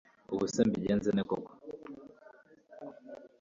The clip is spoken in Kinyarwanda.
ubuse mbigenze nte koko